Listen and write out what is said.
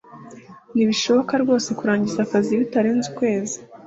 ntibishoboka rwose kurangiza akazi bitarenze ukwezi